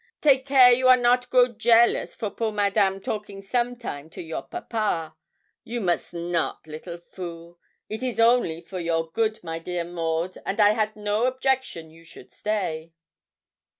Take care you are not grow jealous for poor Madame talking sometime to your papa; you must not, little fool. It is only for a your good, my dear Maud, and I had no objection you should stay.'